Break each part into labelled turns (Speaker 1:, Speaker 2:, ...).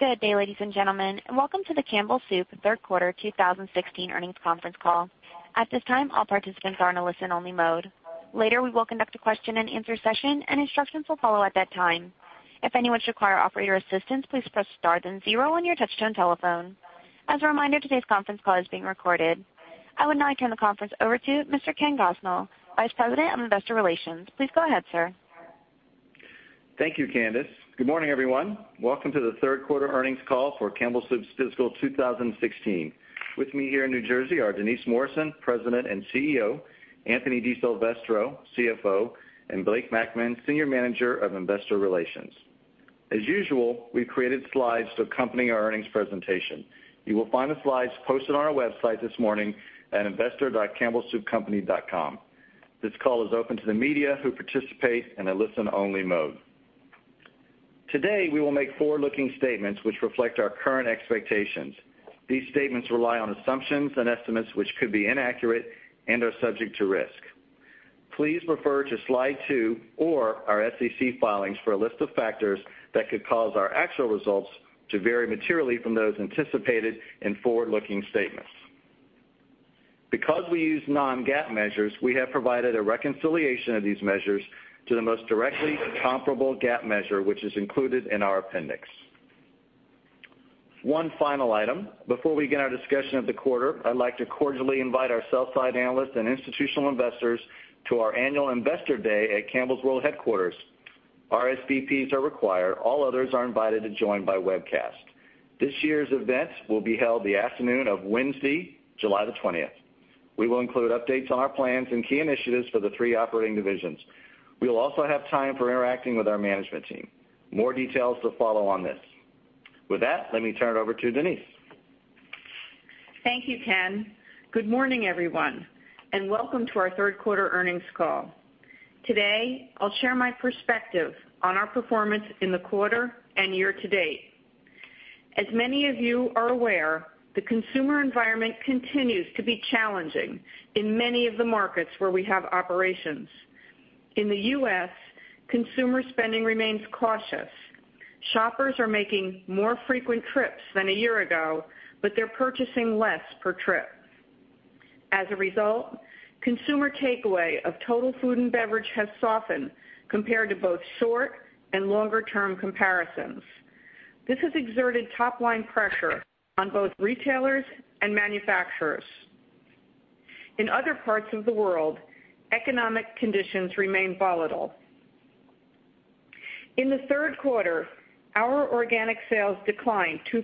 Speaker 1: Good day, ladies and gentlemen, and welcome to the Campbell Soup third quarter 2016 earnings conference call. At this time, all participants are in a listen-only mode. Later, we will conduct a question-and-answer session, and instructions will follow at that time. If anyone should require operator assistance, please press star then zero on your touch-tone telephone. As a reminder, today's conference call is being recorded. I would now turn the conference over to Mr. Ken Gosnell, Vice President of Investor Relations. Please go ahead, sir.
Speaker 2: Thank you, Candice. Good morning, everyone. Welcome to the third quarter earnings call for Campbell Soup's fiscal 2016. With me here in New Jersey are Denise Morrison, President and CEO, Anthony DiSilvestro, CFO, and Blake Mackman, Senior Manager of Investor Relations. As usual, we've created slides to accompany our earnings presentation. You will find the slides posted on our website this morning at investor.campbellsoupcompany.com. This call is open to the media who participate in a listen-only mode. Today, we will make forward-looking statements which reflect our current expectations. These statements rely on assumptions and estimates which could be inaccurate and are subject to risk. Please refer to Slide 2 or our SEC filings for a list of factors that could cause our actual results to vary materially from those anticipated in forward-looking statements. Because we use non-GAAP measures, we have provided a reconciliation of these measures to the most directly comparable GAAP measure, which is included in our appendix. One final item. Before we begin our discussion of the quarter, I'd like to cordially invite our sell side analysts and institutional investors to our annual Investor Day at Campbell's World Headquarters. RSVPs are required. All others are invited to join by webcast. This year's event will be held the afternoon of Wednesday, July the 20th. We will include updates on our plans and key initiatives for the three operating divisions. We'll also have time for interacting with our management team. More details to follow on this. With that, let me turn it over to Denise.
Speaker 3: Thank you, Ken. Good morning, everyone, and welcome to our third quarter earnings call. Today, I'll share my perspective on our performance in the quarter and year-to-date. As many of you are aware, the consumer environment continues to be challenging in many of the markets where we have operations. In the U.S., consumer spending remains cautious. Shoppers are making more frequent trips than a year ago, but they're purchasing less per trip. As a result, consumer takeaway of total food and beverage has softened compared to both short and longer-term comparisons. This has exerted top-line pressure on both retailers and manufacturers. In other parts of the world, economic conditions remain volatile. In the third quarter, our organic sales declined 2%,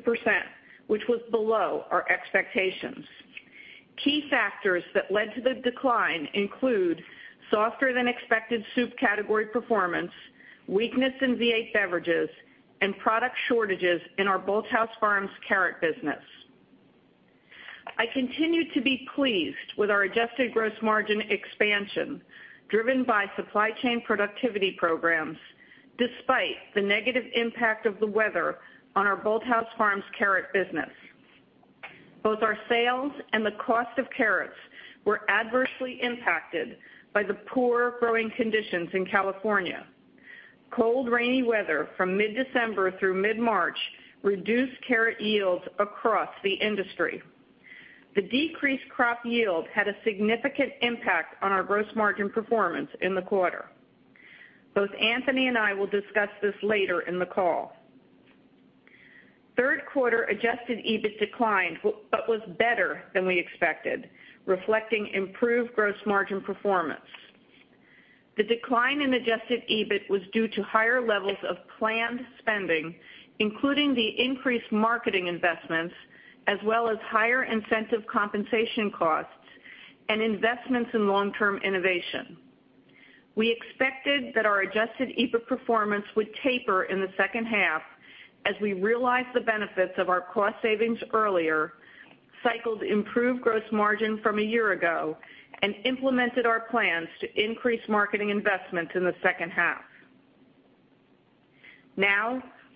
Speaker 3: which was below our expectations. Key factors that led to the decline include softer than expected soup category performance, weakness in V8 beverages, and product shortages in our Bolthouse Farms carrot business. I continue to be pleased with our adjusted gross margin expansion driven by supply chain productivity programs, despite the negative impact of the weather on our Bolthouse Farms carrot business. Both our sales and the cost of carrots were adversely impacted by the poor growing conditions in California. Cold, rainy weather from mid-December through mid-March reduced carrot yields across the industry. The decreased crop yield had a significant impact on our gross margin performance in the quarter. Both Anthony and I will discuss this later in the call. Third quarter adjusted EBIT declined but was better than we expected, reflecting improved gross margin performance. The decline in adjusted EBIT was due to higher levels of planned spending, including the increased marketing investments, as well as higher incentive compensation costs and investments in long-term innovation. We expected that our adjusted EBIT performance would taper in the second half as we realized the benefits of our cost savings earlier, cycled improved gross margin from a year ago, and implemented our plans to increase marketing investments in the second half.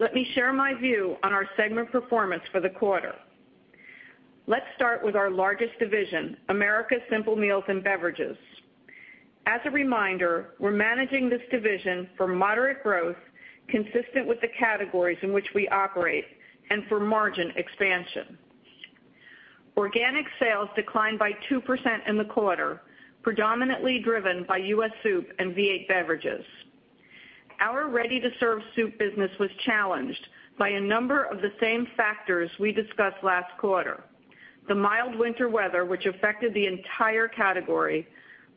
Speaker 3: Let me share my view on our segment performance for the quarter. Let's start with our largest division, Americas Simple Meals and Beverages. As a reminder, we're managing this division for moderate growth consistent with the categories in which we operate and for margin expansion. Organic sales declined by 2% in the quarter, predominantly driven by U.S. soup and V8 beverages. Our ready-to-serve soup business was challenged by a number of the same factors we discussed last quarter, the mild winter weather, which affected the entire category,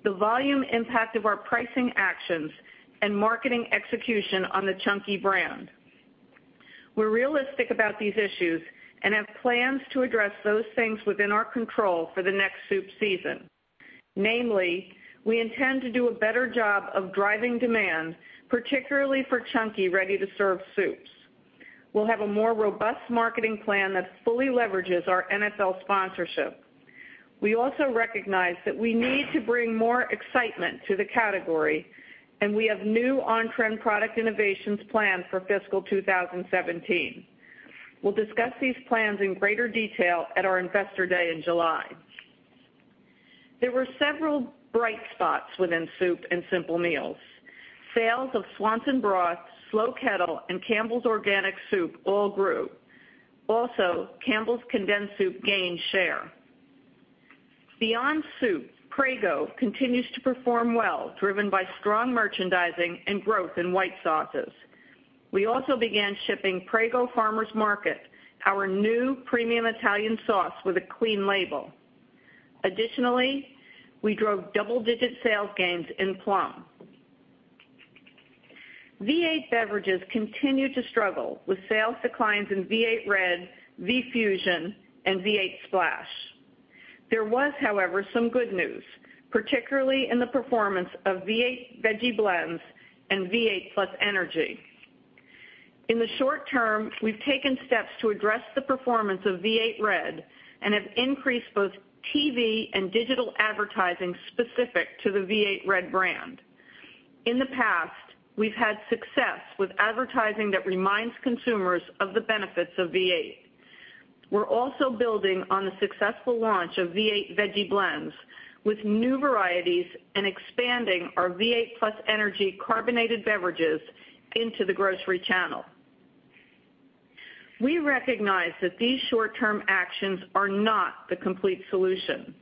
Speaker 3: the volume impact of our pricing actions, and marketing execution on the Chunky brand. We're realistic about these issues and have plans to address those things within our control for the next soup season. Namely, we intend to do a better job of driving demand, particularly for Chunky ready-to-serve soups. We'll have a more robust marketing plan that fully leverages our NFL sponsorship. We also recognize that we need to bring more excitement to the category, and we have new on-trend product innovations planned for fiscal 2017. We'll discuss these plans in greater detail at our Investor Day in July. There were several bright spots within soup and simple meals. Sales of Swanson broth, Slow Kettle, and Campbell's Organic soup all grew. Campbell's condensed soup gained share. Beyond soup, Prego continues to perform well, driven by strong merchandising and growth in white sauces. We also began shipping Prego Farmers' Market, our new premium Italian sauce with a clean label. We drove double-digit sales gains in Plum. V8 beverages continued to struggle, with sales declines in V8 Red, V-Fusion, and V8 Splash. There was, however, some good news, particularly in the performance of V8 Veggie Blends and V8 +ENERGY. In the short term, we've taken steps to address the performance of V8 Red and have increased both TV and digital advertising specific to the V8 Red brand. In the past, we've had success with advertising that reminds consumers of the benefits of V8. We're also building on the successful launch of V8 Veggie Blends, with new varieties and expanding our V8 +ENERGY carbonated beverages into the grocery channel. We recognize that these short-term actions are not the complete solution.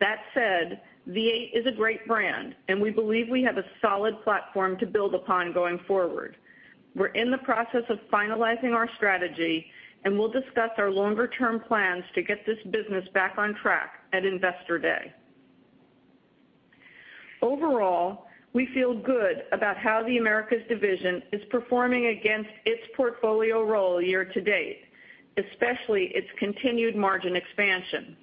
Speaker 3: That said, V8 is a great brand, and we believe we have a solid platform to build upon going forward. We're in the process of finalizing our strategy, and we'll discuss our longer-term plans to get this business back on track at Investor Day. Overall, we feel good about how the Americas division is performing against its portfolio role year to date, especially its continued margin expansion.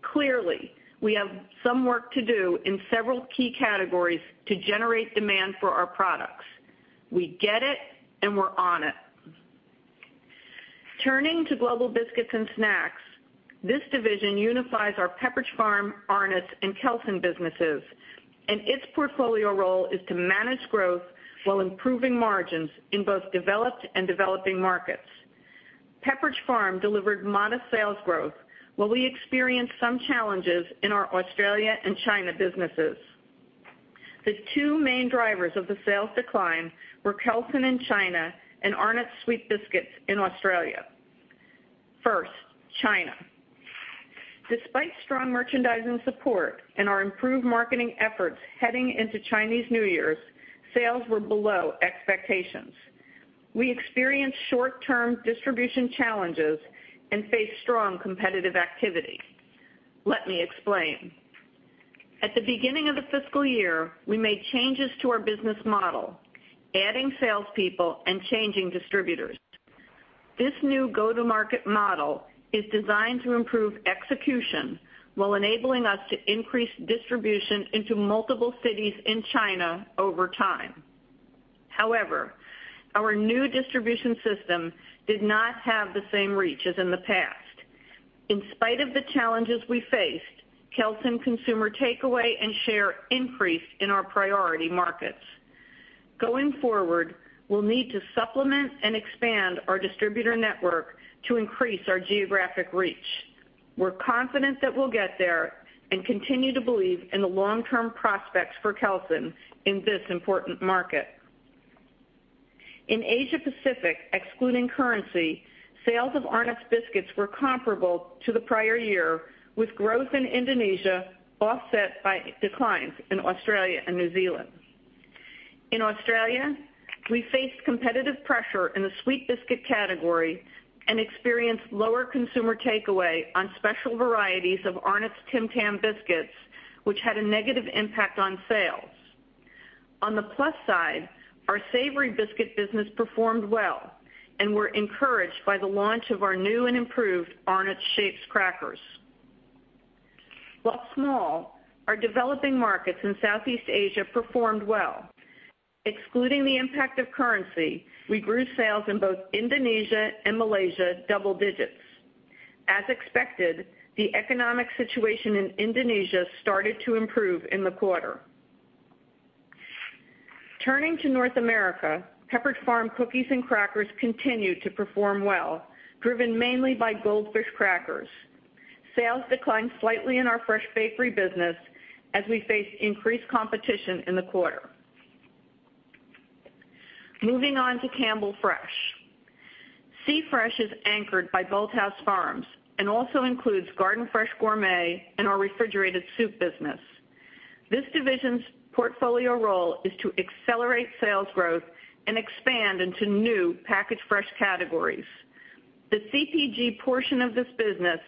Speaker 3: Clearly, we have some work to do in several key categories to generate demand for our products. We get it, and we're on it. Turning to Global Biscuits and Snacks, this division unifies our Pepperidge Farm, Arnott’s, and Kelsen businesses, and its portfolio role is to manage growth while improving margins in both developed and developing markets. Pepperidge Farm delivered modest sales growth, while we experienced some challenges in our Australia and China businesses. The two main drivers of the sales decline were Kelsen in China and Arnott’s sweet biscuits in Australia. First, China. Despite strong merchandising support and our improved marketing efforts heading into Chinese New Year, sales were below expectations. We experienced short-term distribution challenges and faced strong competitive activity. Let me explain. At the beginning of the fiscal year, we made changes to our business model, adding salespeople and changing distributors. This new go-to-market model is designed to improve execution while enabling us to increase distribution into multiple cities in China over time. However, our new distribution system did not have the same reach as in the past. In spite of the challenges we faced, Kelsen consumer takeaway and share increased in our priority markets. Going forward, we'll need to supplement and expand our distributor network to increase our geographic reach. We're confident that we'll get there and continue to believe in the long-term prospects for Kelsen in this important market. In Asia Pacific, excluding currency, sales of Arnott’s biscuits were comparable to the prior year, with growth in Indonesia offset by declines in Australia and New Zealand. In Australia, we faced competitive pressure in the sweet biscuit category and experienced lower consumer takeaway on special varieties of Arnott’s Tim Tam biscuits, which had a negative impact on sales. On the plus side, our savory biscuit business performed well, and we're encouraged by the launch of our new and improved Arnott’s Shapes crackers. While small, our developing markets in Southeast Asia performed well. Excluding the impact of currency, we grew sales in both Indonesia and Malaysia double digits. As expected, the economic situation in Indonesia started to improve in the quarter. Turning to North America, Pepperidge Farm cookies and crackers continued to perform well, driven mainly by Goldfish crackers. Sales declined slightly in our fresh bakery business as we faced increased competition in the quarter. Moving on to Campbell Fresh. C-Fresh is anchored by Bolthouse Farms and also includes Garden Fresh Gourmet and our refrigerated soup business. This division's portfolio role is to accelerate sales growth and expand into new packaged fresh categories. The CPG portion of this business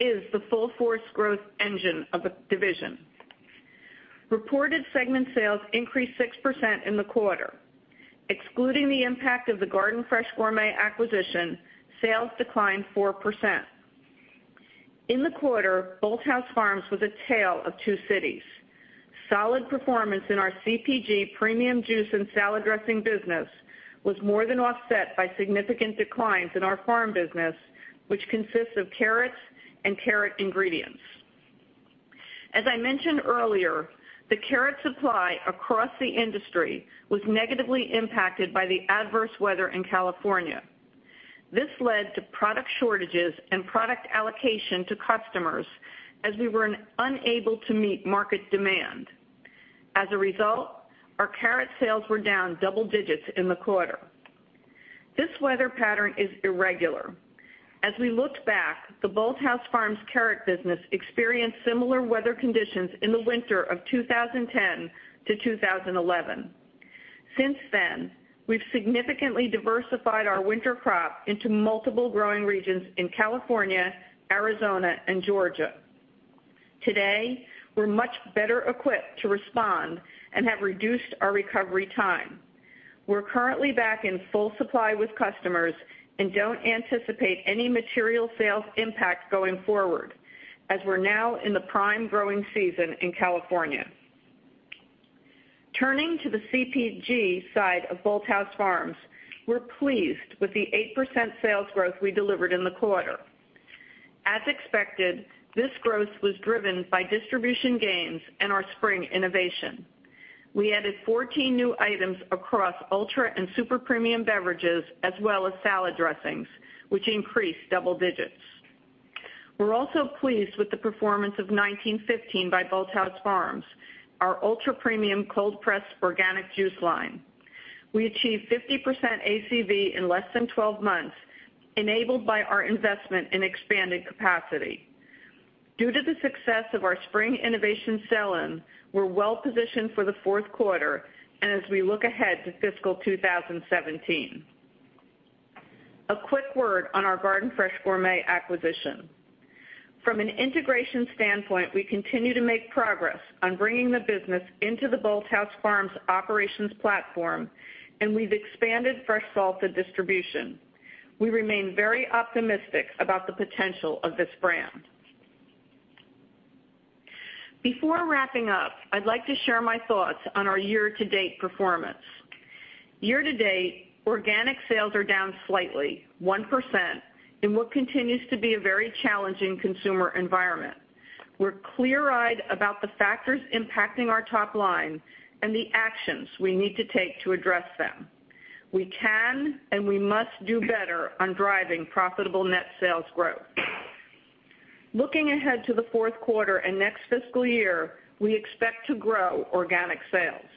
Speaker 3: is the full-force growth engine of the division. Reported segment sales increased 6% in the quarter. Excluding the impact of the Garden Fresh Gourmet acquisition, sales declined 4%. In the quarter, Bolthouse Farms was a tale of two cities. Solid performance in our CPG premium juice and salad dressing business was more than offset by significant declines in our farm business, which consists of carrots and carrot ingredients. As I mentioned earlier, the carrot supply across the industry was negatively impacted by the adverse weather in California. This led to product shortages and product allocation to customers as we were unable to meet market demand. As a result, our carrot sales were down double digits in the quarter. This weather pattern is irregular. As we looked back, the Bolthouse Farms carrot business experienced similar weather conditions in the winter of 2010 to 2011. Since then, we've significantly diversified our winter crop into multiple growing regions in California, Arizona, and Georgia. Today, we're much better equipped to respond and have reduced our recovery time. We're currently back in full supply with customers and don't anticipate any material sales impact going forward, as we're now in the prime growing season in California. Turning to the CPG side of Bolthouse Farms, we're pleased with the 8% sales growth we delivered in the quarter. As expected, this growth was driven by distribution gains and our spring innovation. We added 14 new items across ultra and super premium beverages, as well as salad dressings, which increased double digits. We're also pleased with the performance of 1915 by Bolthouse Farms, our ultra-premium cold-pressed organic juice line. We achieved 50% ACV in less than 12 months, enabled by our investment in expanded capacity. Due to the success of our spring innovation sell-in, we're well positioned for the fourth quarter and as we look ahead to fiscal 2017. A quick word on our Garden Fresh Gourmet acquisition. From an integration standpoint, we continue to make progress on bringing the business into the Bolthouse Farms operations platform, and we've expanded fresh salsa distribution. We remain very optimistic about the potential of this brand. Before wrapping up, I'd like to share my thoughts on our year-to-date performance. Year to date, organic sales are down slightly, 1%, in what continues to be a very challenging consumer environment. We're clear-eyed about the factors impacting our top line and the actions we need to take to address them. We can and we must do better on driving profitable net sales growth. Looking ahead to the fourth quarter and next fiscal year, we expect to grow organic sales.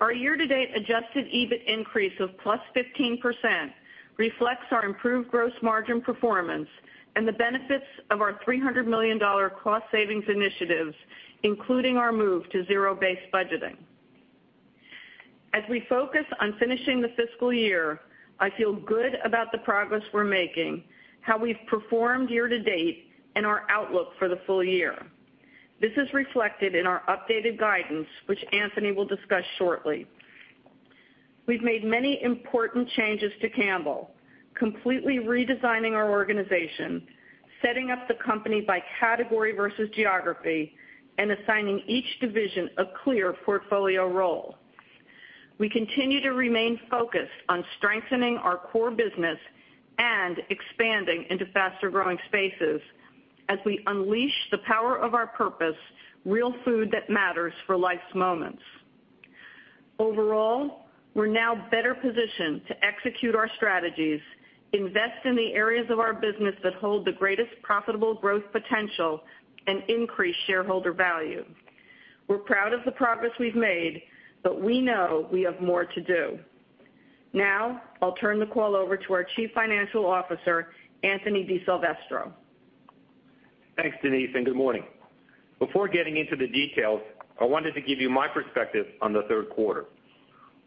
Speaker 3: Our year-to-date adjusted EBIT increase of +15% reflects our improved gross margin performance and the benefits of our $300 million cost savings initiatives, including our move to zero-based budgeting. As we focus on finishing the fiscal year, I feel good about the progress we're making, how we've performed year to date, and our outlook for the full year. This is reflected in our updated guidance, which Anthony will discuss shortly. We've made many important changes to Campbell, completely redesigning our organization, setting up the company by category versus geography, and assigning each division a clear portfolio role. We continue to remain focused on strengthening our core business and expanding into faster-growing spaces as we unleash the power of our purpose, Real Food That Matters for Life's Moments. Overall, we're now better positioned to execute our strategies, invest in the areas of our business that hold the greatest profitable growth potential, and increase shareholder value. We're proud of the progress we've made, but we know we have more to do. I'll turn the call over to our Chief Financial Officer, Anthony DiSilvestro.
Speaker 4: Thanks, Denise, good morning. Before getting into the details, I wanted to give you my perspective on the third quarter.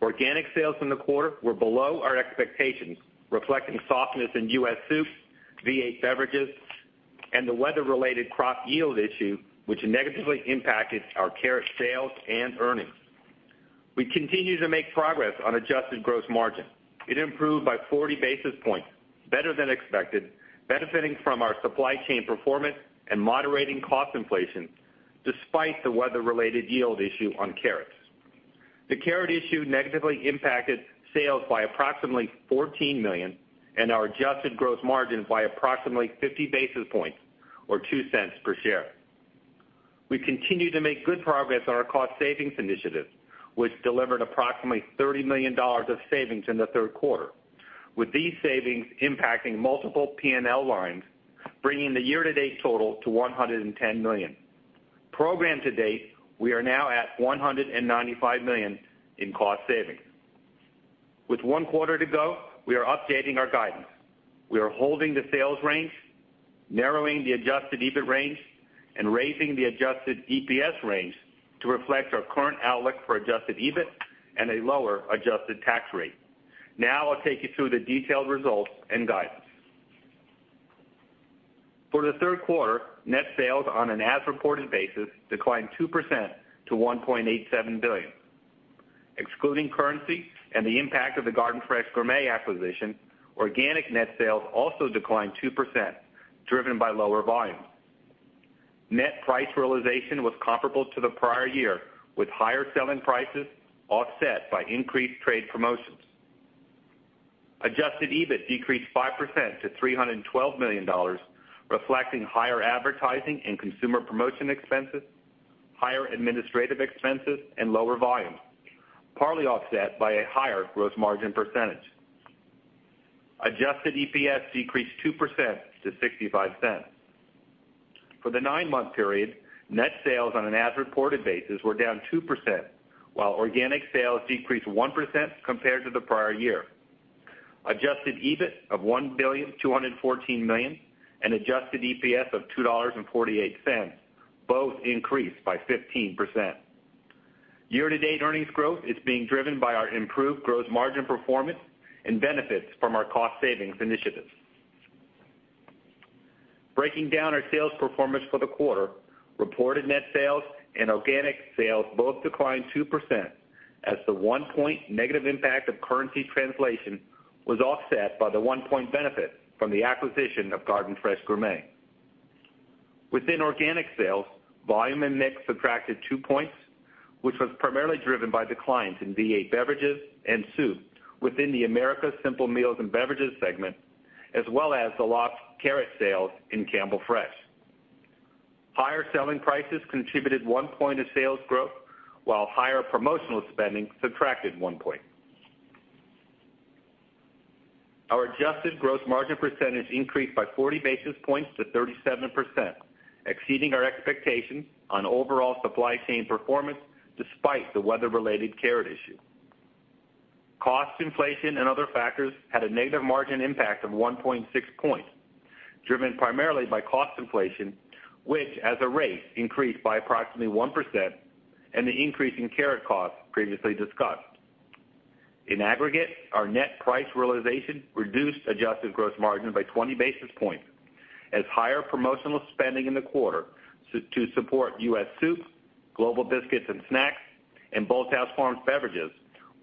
Speaker 4: Organic sales in the quarter were below our expectations, reflecting softness in U.S. soups, V8 beverages, and the weather-related crop yield issue, which negatively impacted our carrot sales and earnings. We continue to make progress on adjusted gross margin. It improved by 40 basis points, better than expected, benefiting from our supply chain performance and moderating cost inflation, despite the weather-related yield issue on carrots. The carrot issue negatively impacted sales by approximately $14 million and our adjusted gross margin by approximately 50 basis points or $0.02 per share. We continue to make good progress on our cost savings initiatives, which delivered approximately $30 million of savings in the third quarter, with these savings impacting multiple P&L lines, bringing the year-to-date total to $110 million. Program to date, we are now at $195 million in cost savings. With one quarter to go, we are updating our guidance. We are holding the sales range, narrowing the adjusted EBIT range, and raising the adjusted EPS range to reflect our current outlook for adjusted EBIT and a lower adjusted tax rate. I'll take you through the detailed results and guidance. For the third quarter, net sales on an as-reported basis declined 2% to $1.87 billion. Excluding currency and the impact of the Garden Fresh Gourmet acquisition, organic net sales also declined 2%, driven by lower volume. Net price realization was comparable to the prior year, with higher selling prices offset by increased trade promotions. Adjusted EBIT decreased 5% to $312 million, reflecting higher advertising and consumer promotion expenses, higher administrative expenses and lower volumes, partly offset by a higher gross margin percentage. Adjusted EPS decreased 2% to $0.65. For the nine-month period, net sales on an as-reported basis were down 2%, while organic sales decreased 1% compared to the prior year. Adjusted EBIT of $1.214 billion and Adjusted EPS of $2.48, both increased by 15%. Year-to-date earnings growth is being driven by our improved gross margin performance and benefits from our cost savings initiatives. Breaking down our sales performance for the quarter, reported net sales and organic sales both declined 2%, as the one point negative impact of currency translation was offset by the one point benefit from the acquisition of Garden Fresh Gourmet. Within organic sales, volume and mix subtracted two points, which was primarily driven by declines in V8 beverages and soup within the Americas Simple Meals and Beverages segment, as well as the lost carrot sales in Campbell Fresh. Higher selling prices contributed one point of sales growth, while higher promotional spending subtracted one point. Our adjusted gross margin percentage increased by 40 basis points to 37%, exceeding our expectations on overall supply chain performance, despite the weather-related carrot issue. Cost inflation and other factors had a negative margin impact of 1.6 points, driven primarily by cost inflation, which as a rate, increased by approximately 1% and the increase in carrot costs previously discussed. In aggregate, our net price realization reduced adjusted gross margin by 20 basis points, as higher promotional spending in the quarter to support U.S. soup, Global Biscuits and Snacks, and Bolthouse Farms beverages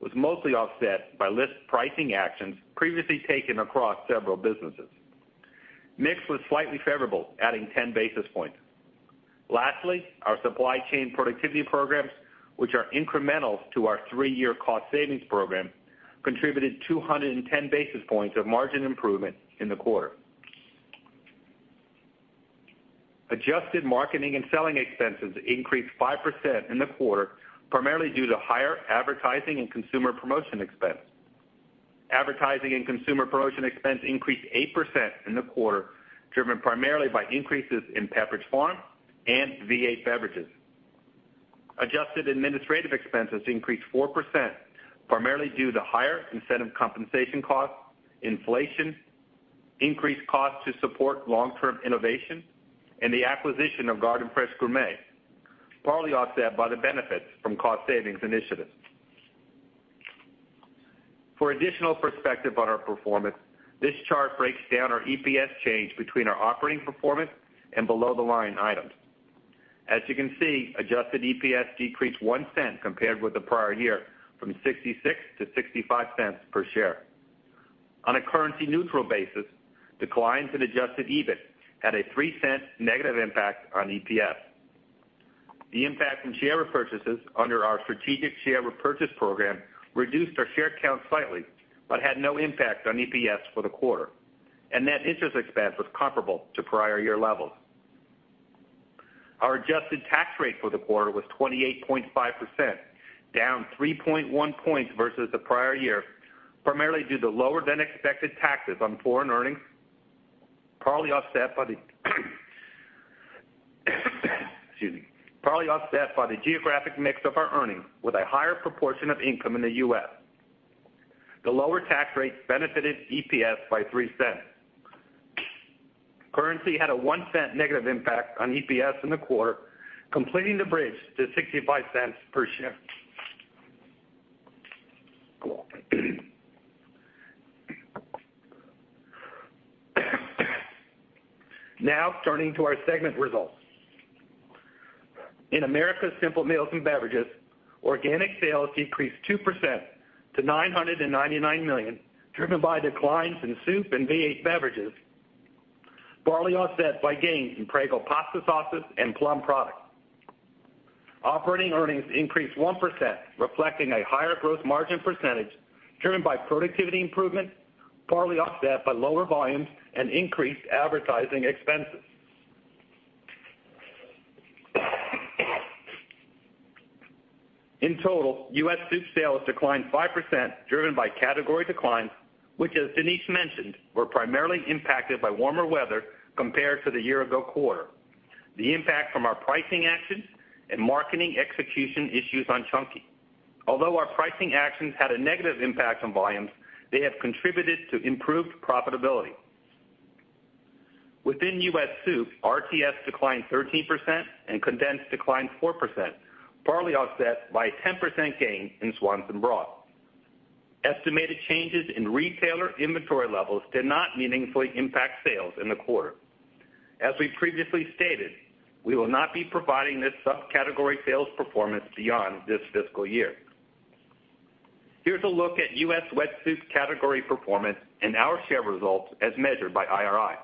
Speaker 4: was mostly offset by list pricing actions previously taken across several businesses. Mix was slightly favorable, adding 10 basis points. Lastly, our supply chain productivity programs, which are incremental to our three-year cost savings program, contributed 210 basis points of margin improvement in the quarter. Adjusted marketing and selling expenses increased 5% in the quarter, primarily due to higher advertising and consumer promotion expense. Advertising and consumer promotion expense increased 8% in the quarter, driven primarily by increases in Pepperidge Farm and V8 beverages. Adjusted administrative expenses increased 4%, primarily due to higher incentive compensation costs, inflation, increased costs to support long-term innovation, and the acquisition of Garden Fresh Gourmet, partly offset by the benefits from cost savings initiatives. For additional perspective on our performance, this chart breaks down our EPS change between our operating performance and below-the-line items. As you can see, adjusted EPS decreased $0.01 compared with the prior year, from $0.66 to $0.65 per share. On a currency-neutral basis, declines in adjusted EBIT had a $0.03 negative impact on EPS. The impact from share repurchases under our strategic share repurchase program reduced our share count slightly, but had no impact on EPS for the quarter. Net interest expense was comparable to prior year levels. Our adjusted tax rate for the quarter was 28.5%, down 3.1 points versus the prior year, primarily due to lower-than-expected taxes on foreign earnings, partly offset by the geographic mix of our earnings, with a higher proportion of income in the U.S. The lower tax rates benefited EPS by $0.03. Currency had a $0.01 negative impact on EPS in the quarter, completing the bridge to $0.65 per share. Turning to our segment results. In Americas Simple Meals and Beverages, organic sales decreased 2% to $999 million, driven by declines in soup and V8 beverages, partly offset by gains in Prego pasta sauces and Plum products. Operating earnings increased 1%, reflecting a higher gross margin percentage driven by productivity improvements, partly offset by lower volumes and increased advertising expenses. In total, U.S. soup sales declined 5%, driven by category declines, which, as Denise mentioned, were primarily impacted by warmer weather compared to the year-ago quarter. The impact from our pricing actions and marketing execution issues on Chunky. Although our pricing actions had a negative impact on volumes, they have contributed to improved profitability. Within U.S. soup, RTS declined 13% and condensed declined 4%, partly offset by a 10% gain in Swanson broth. Estimated changes in retailer inventory levels did not meaningfully impact sales in the quarter. As we previously stated, we will not be providing this subcategory sales performance beyond this fiscal year. Here's a look at U.S. wet soup category performance and our share results as measured by IRI.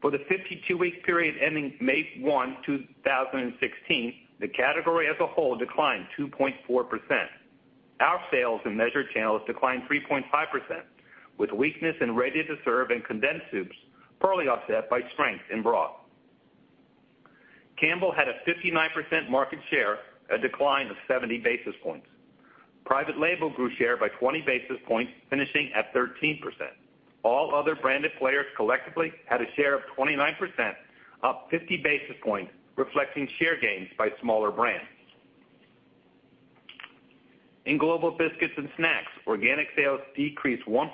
Speaker 4: For the 52-week period ending May 1, 2016, the category as a whole declined 2.4%. Our sales in measured channels declined 3.5%, with weakness in ready-to-serve and condensed soups, partly offset by strength in broth. Campbell had a 59% market share, a decline of 70 basis points. Private label grew share by 20 basis points, finishing at 13%. All other branded players collectively had a share of 29%, up 50 basis points, reflecting share gains by smaller brands. In Global Biscuits and Snacks, organic sales decreased 1%,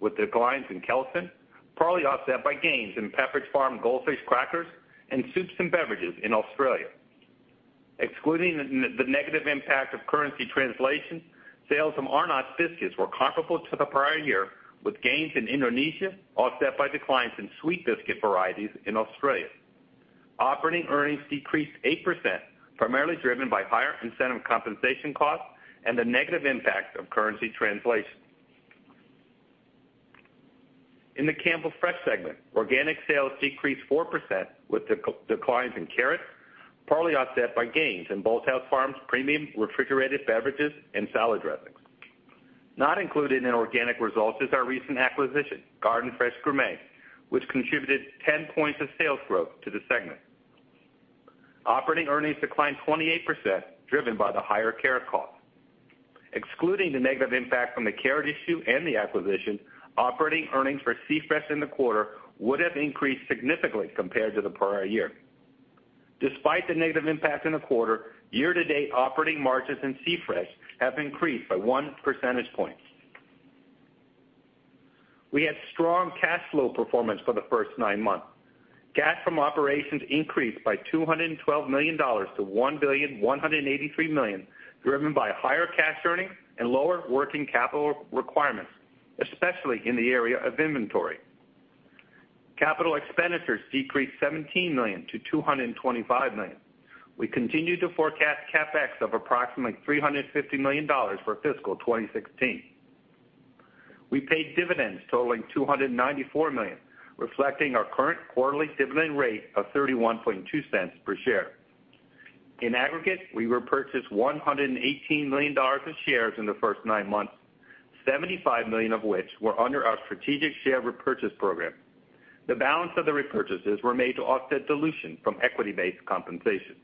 Speaker 4: with declines in Kelsen, partly offset by gains in Pepperidge Farm Goldfish crackers and soups and beverages in Australia. Excluding the negative impact of currency translation, sales from Arnott's biscuits were comparable to the prior year, with gains in Indonesia offset by declines in sweet biscuit varieties in Australia. Operating earnings decreased 8%, primarily driven by higher incentive compensation costs and the negative impact of currency translation. In the Campbell Fresh segment, organic sales decreased 4%, with declines in carrot partly offset by gains in Bolthouse Farms premium refrigerated beverages and salad dressings. Not included in organic results is our recent acquisition, Garden Fresh Gourmet, which contributed 10 points of sales growth to the segment. Operating earnings declined 28%, driven by the higher carrot costs. Excluding the negative impact from the carrot issue and the acquisition, operating earnings for C-Fresh in the quarter would have increased significantly compared to the prior year. Despite the negative impact in the quarter, year-to-date operating margins in C-Fresh have increased by one percentage point. We had strong cash flow performance for the first nine months. Cash from operations increased by $212 million to $1.183 billion, driven by higher cash earnings and lower working capital requirements, especially in the area of inventory. Capital expenditures decreased $17 million-$225 million. We continue to forecast CapEx of approximately $350 million for fiscal 2016. We paid dividends totaling $294 million, reflecting our current quarterly dividend rate of $0.312 per share. In aggregate, we repurchased $118 million of shares in the first nine months, $75 million of which were under our strategic share repurchase program. The balance of the repurchases were made to offset dilution from equity-based compensation.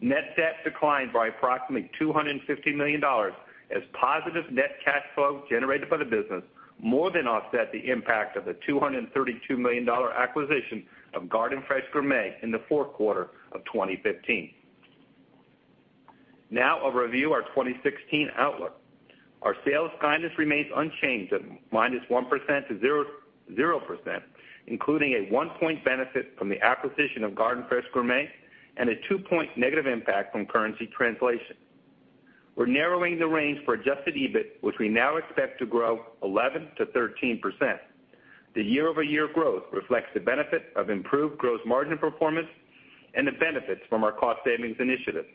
Speaker 4: Net debt declined by approximately $250 million as positive net cash flow generated by the business more than offset the impact of the $232 million acquisition of Garden Fresh Gourmet in the fourth quarter of 2015. I'll review our 2016 outlook. Our sales guidance remains unchanged at minus 1% to 0%, including a one point benefit from the acquisition of Garden Fresh Gourmet and a two-point negative impact from currency translation. We're narrowing the range for adjusted EBIT, which we now expect to grow 11%-13%. The year-over-year growth reflects the benefit of improved gross margin performance and the benefits from our cost savings initiatives.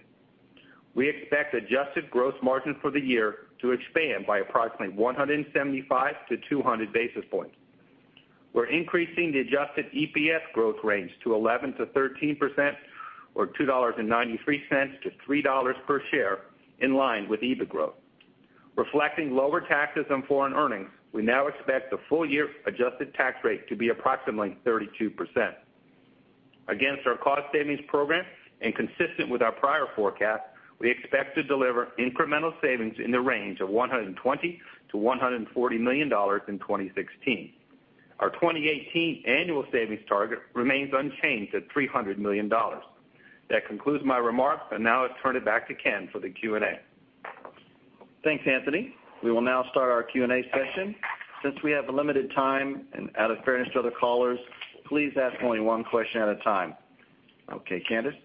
Speaker 4: We expect adjusted gross margin for the year to expand by approximately 175 to 200 basis points. We're increasing the adjusted EPS growth range to 11%-13%, or $2.93 to $3 per share, in line with EBIT growth. Reflecting lower taxes on foreign earnings, we now expect the full-year adjusted tax rate to be approximately 32%. Against our cost savings program and consistent with our prior forecast, we expect to deliver incremental savings in the range of $120 million-$140 million in 2016. Our 2018 annual savings target remains unchanged at $300 million. That concludes my remarks. Now I'll turn it back to Ken for the Q&A.
Speaker 2: Thanks, Anthony. We will now start our Q&A session. Since we have limited time and out of fairness to other callers, please ask only one question at a time. Okay, Candice?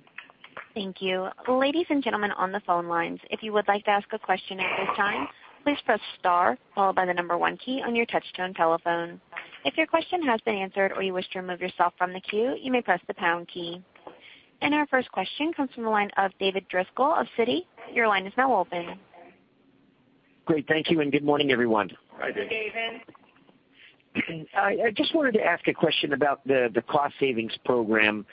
Speaker 1: Thank you. Ladies and gentlemen on the phone lines, if you would like to ask a question at this time, please press star followed by the number one key on your touch-tone telephone. If your question has been answered or you wish to remove yourself from the queue, you may press the pound key. Our first question comes from the line of David Driscoll of Citi. Your line is now open.
Speaker 5: Great, thank you. Good morning, everyone.
Speaker 4: Hi, David.
Speaker 2: Good morning, David.
Speaker 5: I just wanted to ask a question about the cost savings program.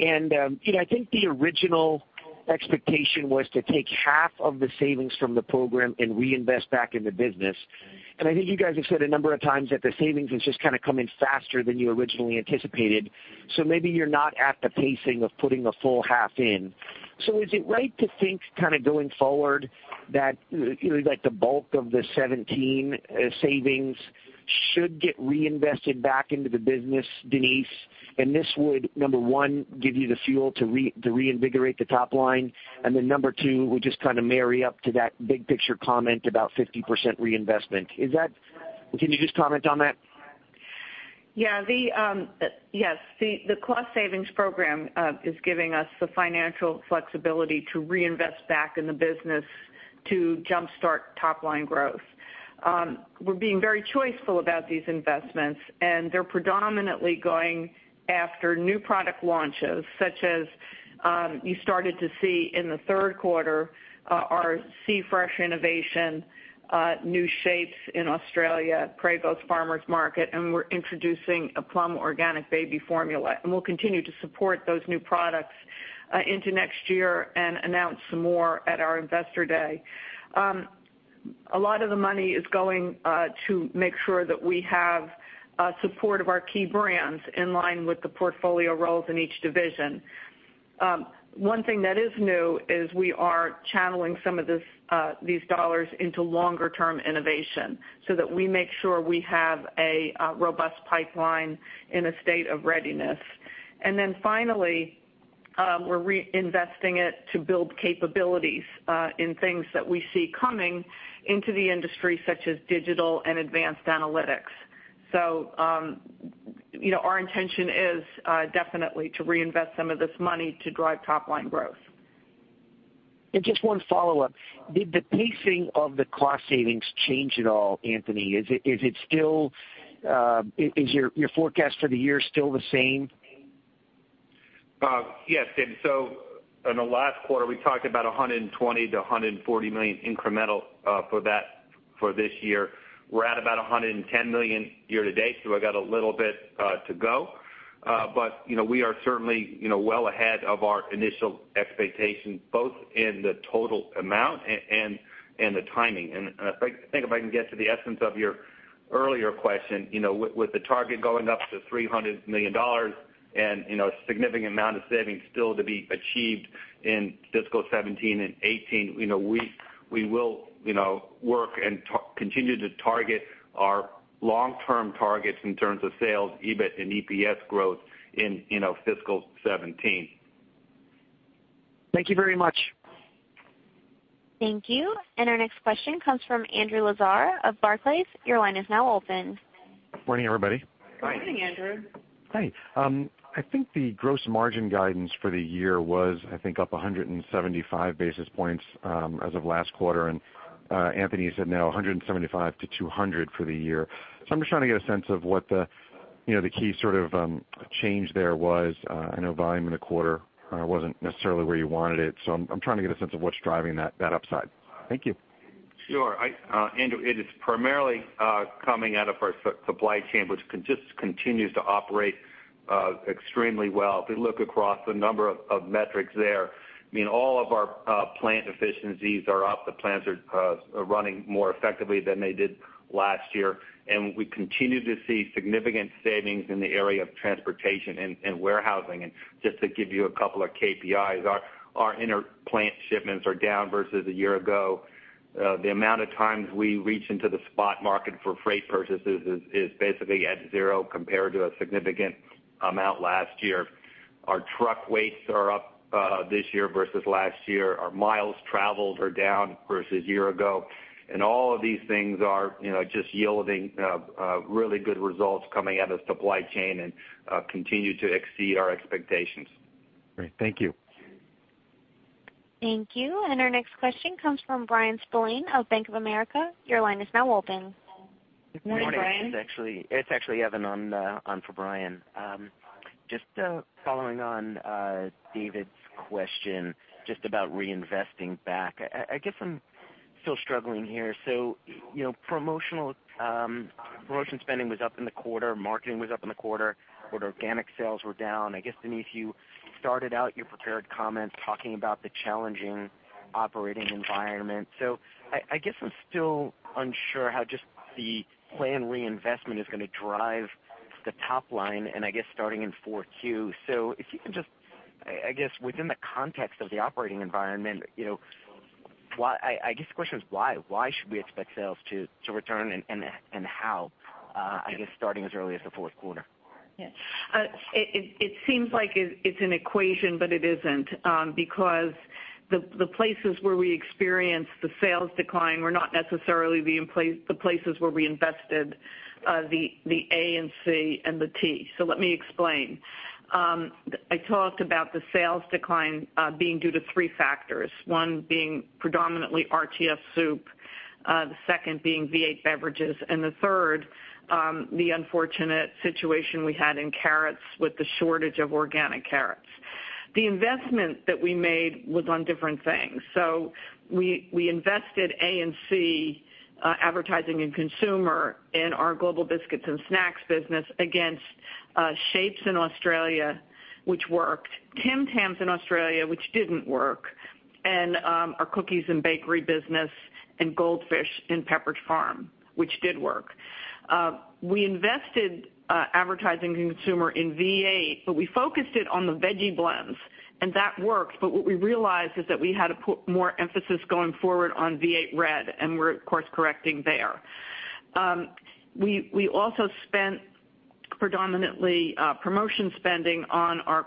Speaker 5: I think the original expectation was to take half of the savings from the program and reinvest back in the business. I think you guys have said a number of times that the savings has just kind of come in faster than you originally anticipated. Maybe you're not at the pacing of putting the full half in. Is it right to think kind of going forward that the bulk of the 2017 savings should get reinvested back into the business, Denise, and this would, number one, give you the fuel to reinvigorate the top line, and then number two, would just kind of marry up to that big picture comment about 50% reinvestment. Can you just comment on that?
Speaker 4: Yes, the cost savings program is giving us the financial flexibility to reinvest back in the business to jumpstart top-line growth. We're being very choiceful about these investments, and they're predominantly going after new product launches, such as you started to see in the third quarter, our C-Fresh innovation, new Shapes in Australia, Prego Farmers' Market, and we're introducing a Plum organic baby formula. We'll continue to support those new products into next year and announce some more at our Investor Day.
Speaker 3: A lot of the money is going to make sure that we have support of our key brands in line with the portfolio roles in each division. One thing that is new is we are channeling some of these dollars into longer-term innovation so that we make sure we have a robust pipeline in a state of readiness. Finally, we're reinvesting it to build capabilities in things that we see coming into the industry, such as digital and advanced analytics. Our intention is definitely to reinvest some of this money to drive top-line growth.
Speaker 5: Just one follow-up. Did the pacing of the cost savings change at all, Anthony? Is your forecast for the year still the same?
Speaker 4: Yes, in the last quarter, we talked about $120 million-$140 million incremental for this year. We're at about $110 million year to date, I got a little bit to go. We are certainly well ahead of our initial expectations, both in the total amount and the timing. I think if I can get to the essence of your earlier question, with the target going up to $300 million and a significant amount of savings still to be achieved in fiscal 2017 and 2018, we will work and continue to target our long-term targets in terms of sales, EBIT, and EPS growth in fiscal 2017.
Speaker 5: Thank you very much.
Speaker 1: Thank you. Our next question comes from Andrew Lazar of Barclays. Your line is now open.
Speaker 6: Morning, everybody.
Speaker 3: Morning, Andrew.
Speaker 6: Hi. I think the gross margin guidance for the year was, I think, up 175 basis points as of last quarter, Anthony said now 175-200 for the year. I'm just trying to get a sense of what the key sort of change there was. I know volume in the quarter wasn't necessarily where you wanted it. I'm trying to get a sense of what's driving that upside. Thank you.
Speaker 4: Sure. Andrew, it is primarily coming out of our supply chain, which just continues to operate extremely well. If you look across the number of metrics there, all of our plant efficiencies are up. The plants are running more effectively than they did last year, and we continue to see significant savings in the area of transportation and warehousing. Just to give you a couple of KPIs, our inter-plant shipments are down versus a year ago. The amount of times we reach into the spot market for freight purchases is basically at zero compared to a significant amount last year. Our truck weights are up this year versus last year. Our miles traveled are down versus a year ago. All of these things are just yielding really good results coming out of supply chain and continue to exceed our expectations.
Speaker 6: Great. Thank you.
Speaker 1: Thank you. Our next question comes from Bryan Spillane of Bank of America. Your line is now open.
Speaker 3: Morning, Bryan.
Speaker 7: Morning. It's actually Evan on for Bryan. Just following on David's question, just about reinvesting back. I guess I'm still struggling here. Promotion spending was up in the quarter, marketing was up in the quarter, but organic sales were down. I guess, Denise, you started out your prepared comments talking about the challenging operating environment. I guess I'm still unsure how just the planned reinvestment is going to drive the top line and I guess starting in 4Q. If you can just, I guess, within the context of the operating environment, I guess the question is why? Why should we expect sales to return and how, I guess starting as early as the fourth quarter?
Speaker 3: Yes. It seems like it's an equation, but it isn't because the places where we experienced the sales decline were not necessarily the places where we invested the A&C and the T. Let me explain. I talked about the sales decline being due to three factors, one being predominantly RTS soup, the second being V8 beverages, and the third, the unfortunate situation we had in carrots with the shortage of organic carrots. The investment that we made was on different things. We invested A&C, advertising and consumer, in our Global Biscuits and Snacks business against Shapes in Australia, which worked; Tim Tams in Australia, which didn't work; and our cookies and bakery business and Goldfish and Pepperidge Farm, which did work. We invested advertising consumer in V8, but we focused it on the veggie blends, and that worked. What we realized is that we had to put more emphasis going forward on V8 Red, and we're course correcting there. We also spent predominantly promotion spending on our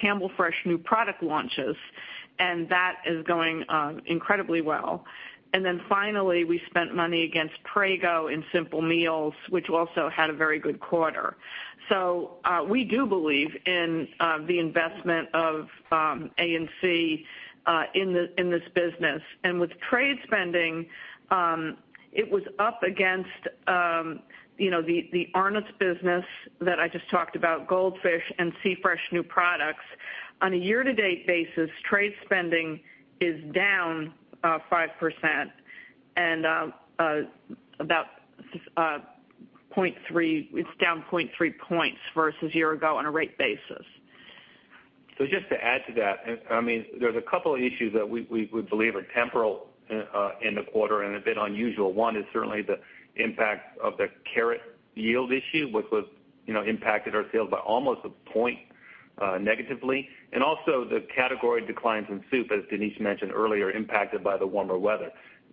Speaker 3: Campbell Fresh new product launches, and that is going incredibly well. And then finally, we spent money against Prego and Simple Meals, which also had a very good quarter. We do believe in the investment of A&C in this business. And with trade spending, it was up against the Arnott's business that I just talked about, Goldfish and C-Fresh new products. On a year-to-date basis, trade spending is down 5%, and it's down 0.3 points versus a year ago on a rate basis.
Speaker 4: Just to add to that, there's a couple of issues that we believe are temporal in the quarter and a bit unusual. One is certainly the impact of the carrot yield issue, which impacted our sales by almost a point negatively, and also the category declines in soup, as Denise mentioned earlier, impacted by the warmer weather.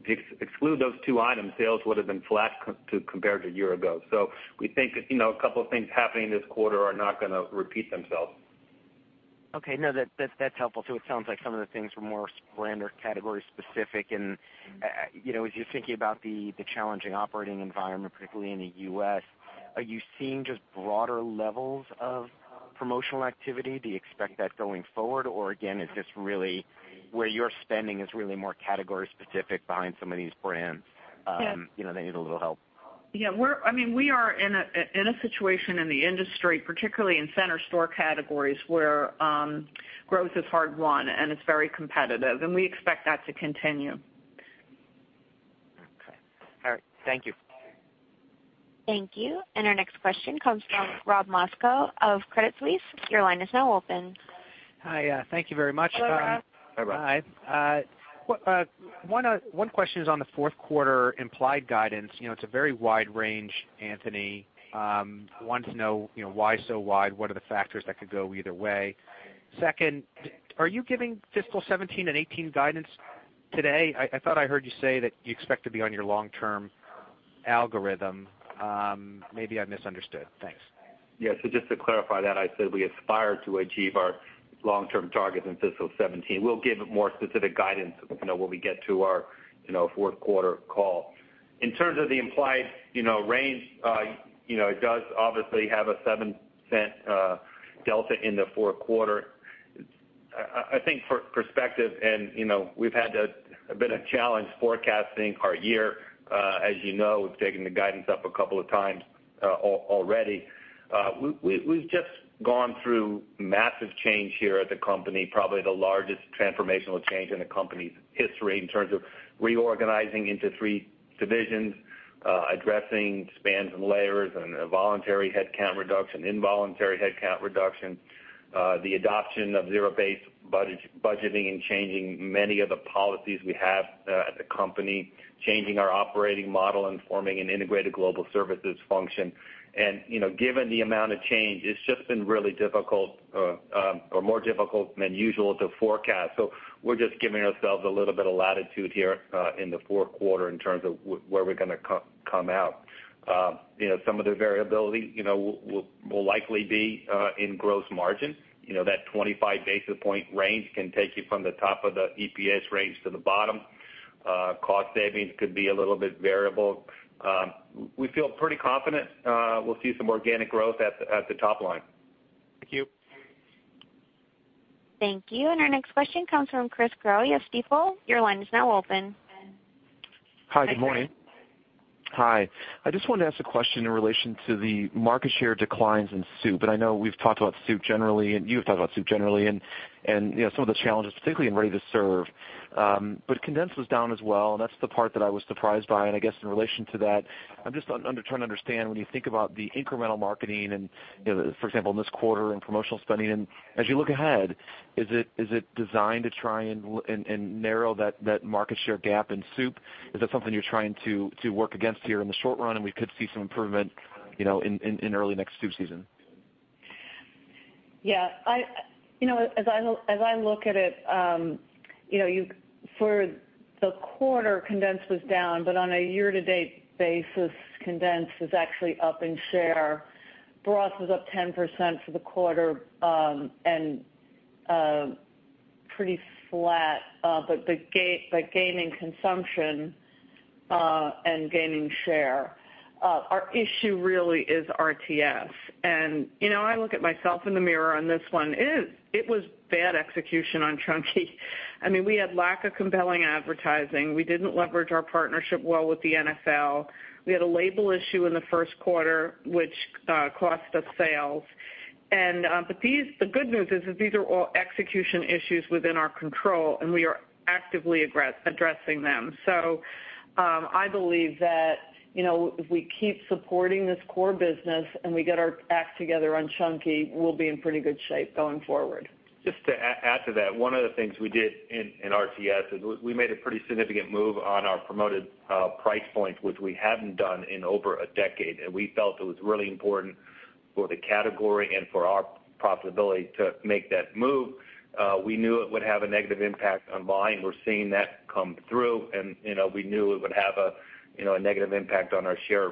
Speaker 4: To exclude those two items, sales would've been flat compared to a year ago. We think a couple of things happening this quarter are not going to repeat themselves.
Speaker 7: Okay. No, that's helpful, too. It sounds like some of the things were more brand or category specific. As you're thinking about the challenging operating environment, particularly in the U.S., are you seeing just broader levels of promotional activity? Do you expect that going forward? Again, is this really where your spending is really more category specific behind some of these brands that need a little help?
Speaker 3: Yeah. We are in a situation in the industry, particularly in center store categories, where growth is hard won and it's very competitive. We expect that to continue.
Speaker 7: Okay. All right. Thank you.
Speaker 1: Thank you. Our next question comes from Robert Moskow of Credit Suisse. Your line is now open.
Speaker 8: Hi, thank you very much.
Speaker 4: Hello, Rob.
Speaker 3: Hi. One question is on the fourth quarter implied guidance. It's a very wide range, Anthony. Wanted to know why so wide, what are the factors that could go either way? Second, are you giving fiscal 2017 and 2018 guidance today? I thought I heard you say that you expect to be on your long-term algorithm. Maybe I misunderstood. Thanks.
Speaker 4: Yeah. Just to clarify that, I said we aspire to achieve our long-term targets in fiscal 2017. We'll give more specific guidance when we get to our fourth quarter call. In terms of the implied range, it does obviously have a $0.07 delta in the fourth quarter. I think for perspective, and we've had a bit of challenge forecasting our year. As you know, we've taken the guidance up a couple of times already. We've just gone through massive change here at the company, probably the largest transformational change in the company's history in terms of reorganizing into three divisions, addressing spans and layers, and a voluntary headcount reduction, involuntary headcount reduction, the adoption of zero-based budgeting, and changing many of the policies we have at the company, changing our operating model and forming an integrated global services function. Given the amount of change, it's just been really difficult, or more difficult than usual to forecast. We're just giving ourselves a little bit of latitude here in the fourth quarter in terms of where we're going to come out. Some of the variability will likely be in gross margin. That 25 basis point range can take you from the top of the EPS range to the bottom. Cost savings could be a little bit variable. We feel pretty confident we'll see some organic growth at the top line.
Speaker 8: Thank you.
Speaker 1: Thank you. Our next question comes from Chris Growe of Stifel. Your line is now open.
Speaker 9: Hi, good morning.
Speaker 3: Hi, Chris.
Speaker 9: Hi. I just wanted to ask a question in relation to the market share declines in soup. I know we've talked about soup generally, and you have talked about soup generally, and some of the challenges, particularly in ready to serve. Condensed was down as well, and that's the part that I was surprised by. I guess in relation to that, I'm just trying to understand when you think about the incremental marketing and, for example, in this quarter in promotional spending. As you look ahead, is it designed to try and narrow that market share gap in soup? Is that something you're trying to work against here in the short run and we could see some improvement in early next soup season?
Speaker 3: Yeah. As I look at it, for the quarter, condensed was down, but on a year-to-date basis, condensed is actually up in share. Broth was up 10% for the quarter, and pretty flat, but gaining consumption, and gaining share. Our issue really is RTS. I look at myself in the mirror on this one. It was bad execution on Chunky. We had lack of compelling advertising. We didn't leverage our partnership well with the NFL. We had a label issue in the first quarter, which cost us sales. The good news is that these are all execution issues within our control, and we are actively addressing them. I believe that, if we keep supporting this core business and we get our act together on Chunky, we'll be in pretty good shape going forward.
Speaker 4: Just to add to that, one of the things we did in RTS is we made a pretty significant move on our promoted price points, which we hadn't done in over a 10 years, and we felt it was really important for the category and for our profitability to make that move. We knew it would have a negative impact on volume. We're seeing that come through, and we knew it would have a negative impact on our share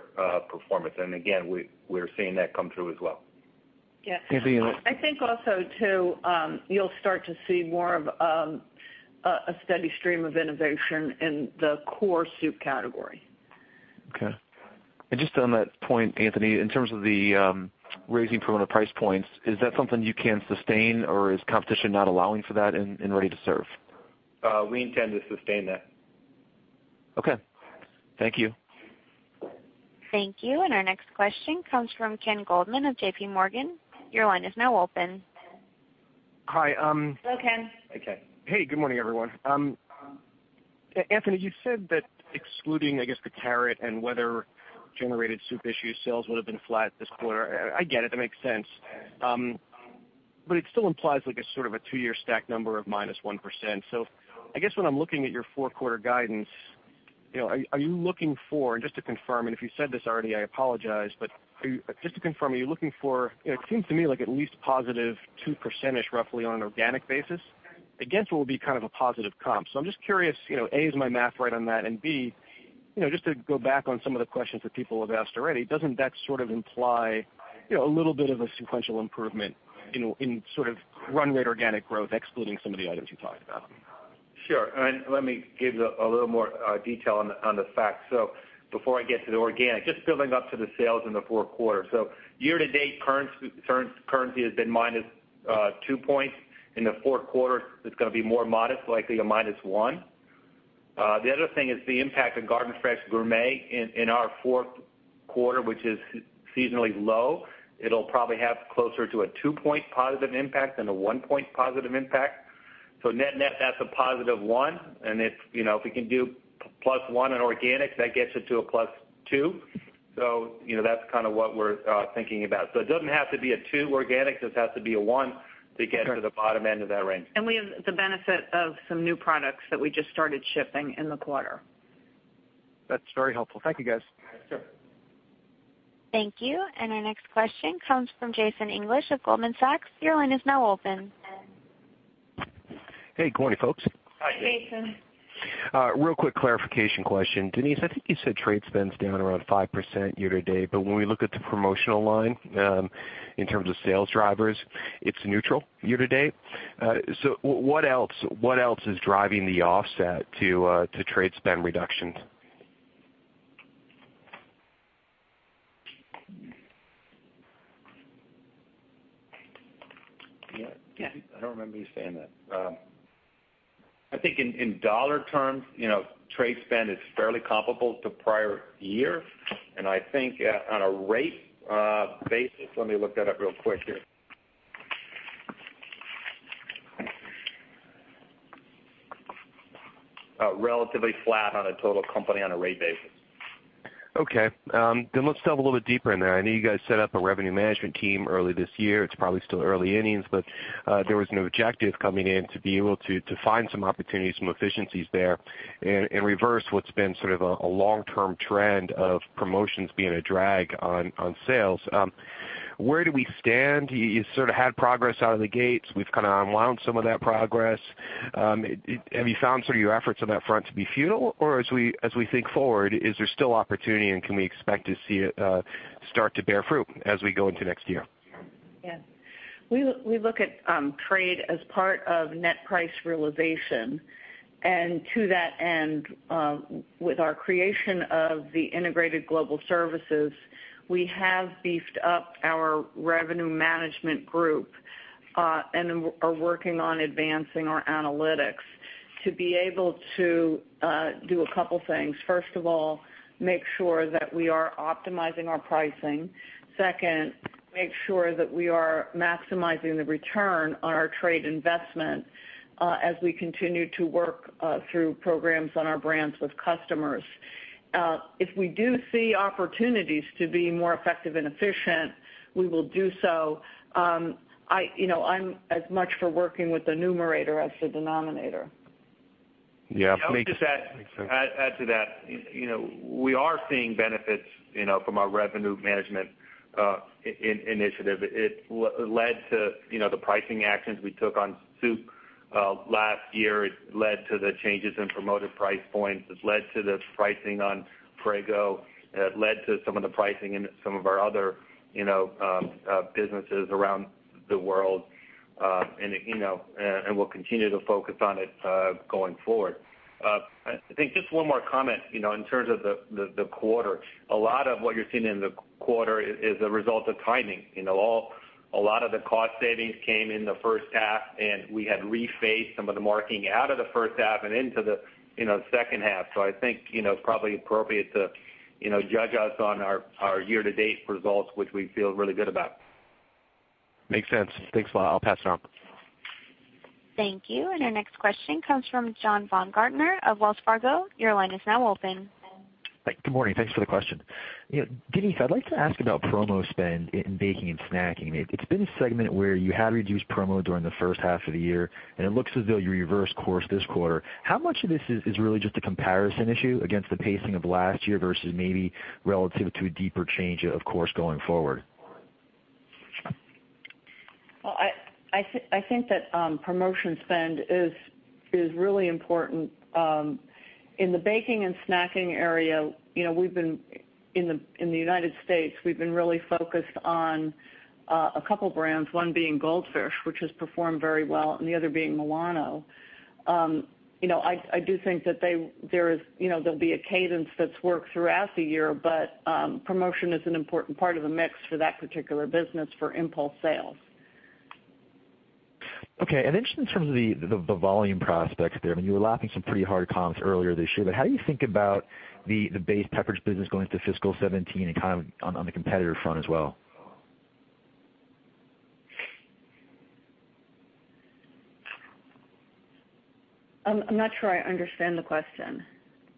Speaker 4: performance. Again, we're seeing that come through as well.
Speaker 3: Yeah. Anthony and I think also, too, you'll start to see more of a steady stream of innovation in the core soup category.
Speaker 9: Okay. Just on that point, Anthony, in terms of the raising promoted price points, is that something you can sustain, or is competition not allowing for that in Ready to Serve?
Speaker 4: We intend to sustain that.
Speaker 9: Okay. Thank you.
Speaker 1: Thank you. Our next question comes from Ken Goldman of J.P. Morgan. Your line is now open.
Speaker 10: Hi.
Speaker 3: Hello, Ken.
Speaker 4: Hey, Ken.
Speaker 10: Hey, good morning, everyone. Anthony, you said that excluding, I guess, the carrot and weather-generated soup issue, sales would've been flat this quarter. I get it. That makes sense. It still implies a two-year stack number of minus 1%. I guess when I'm looking at your four-quarter guidance, are you looking for, just to confirm, and if you said this already, I apologize, but just to confirm, are you looking for, it seems to me, at least positive 2% roughly on an organic basis against what will be kind of a positive comp. I'm just curious, A, is my math right on that, and B, just to go back on some of the questions that people have asked already, doesn't that sort of imply a little bit of a sequential improvement in sort of run rate organic growth, excluding some of the items you talked about?
Speaker 4: Sure. Let me give a little more detail on the facts. Before I get to the organic, just building up to the sales in the fourth quarter. Year to date, currency has been minus 2 points. In the fourth quarter, it's gonna be more modest, likely a minus 1. The other thing is the impact of Garden Fresh Gourmet in our fourth quarter, which is seasonally low. It'll probably have closer to a 2-point positive impact than a 1-point positive impact. Net, that's a positive 1. If we can do plus 1 in organic, that gets it to a plus 2. That's kind of what we're thinking about. It doesn't have to be a 2 organic. Just has to be a 1 to get to the bottom end of that range.
Speaker 3: We have the benefit of some new products that we just started shipping in the quarter.
Speaker 10: That's very helpful. Thank you, guys.
Speaker 4: Sure.
Speaker 1: Thank you. Our next question comes from Jason English of Goldman Sachs. Your line is now open.
Speaker 11: Hey, good morning, folks.
Speaker 4: Hi, Jason.
Speaker 3: Jason.
Speaker 11: Real quick clarification question. Denise, I think you said trade spend's down around 5% year to date, but when we look at the promotional line, in terms of sales drivers, it's neutral year to date. What else is driving the offset to trade spend reductions?
Speaker 4: Yeah. I don't remember you saying that. I think in dollar terms, trade spend is fairly comparable to prior year, and I think on a rate basis, let me look that up real quick here. Relatively flat on a total company on a rate basis.
Speaker 11: Okay. Let's delve a little bit deeper in there. I know you guys set up a revenue management team early this year. It's probably still early innings, but there was an objective coming in to be able to find some opportunities, some efficiencies there, and reverse what's been sort of a long-term trend of promotions being a drag on sales. Where do we stand? You sort of had progress out of the gates. We've kind of unwound some of that progress. Have you found your efforts on that front to be futile, or as we think forward, is there still opportunity, and can we expect to see it start to bear fruit as we go into next year?
Speaker 3: Yeah. We look at trade as part of net price realization. To that end, with our creation of the integrated global services, we have beefed up our revenue management group, and are working on advancing our analytics to be able to do a couple things. First of all, make sure that we are optimizing our pricing. Second, make sure that we are maximizing the return on our trade investment, as we continue to work through programs on our brands with customers. If we do see opportunities to be more effective and efficient, we will do so. I'm as much for working with the numerator as the denominator.
Speaker 11: Yeah. Makes sense.
Speaker 4: Let me just add to that. We are seeing benefits from our revenue management initiative. It led to the pricing actions we took on soup last year. It led to the changes in promoted price points. It led to the pricing on Prego. It led to some of the pricing in some of our other businesses around the world. We'll continue to focus on it going forward. I think just one more comment in terms of the quarter. A lot of what you're seeing in the quarter is a result of timing. A lot of the cost savings came in the first half, and we had rephased some of the marketing out of the first half and into the second half. I think it's probably appropriate to judge us on our year to date results, which we feel really good about.
Speaker 11: Makes sense. Thanks a lot. I'll pass it on.
Speaker 1: Thank you. Our next question comes from John Baumgartner of Wells Fargo. Your line is now open.
Speaker 12: Good morning. Thanks for the question. Denise, I'd like to ask about promo spend in baking and snacking. It's been a segment where you had reduced promo during the first half of the year, and it looks as though you reversed course this quarter. How much of this is really just a comparison issue against the pacing of last year versus maybe relative to a deeper change, of course, going forward?
Speaker 3: Well, I think that promotion spend is really important. In the baking and snacking area, in the U.S., we've been really focused on a couple brands, one being Goldfish, which has performed very well, and the other being Milano. I do think that there'll be a cadence that's worked throughout the year, but promotion is an important part of the mix for that particular business for impulse sales.
Speaker 12: Okay, just in terms of the volume prospects there, I mean, you were lapping some pretty hard comps earlier this year, but how do you think about the base Pepperidge Farm business going into fiscal 2017 and kind of on the competitor front as well?
Speaker 3: I'm not sure I understand the question.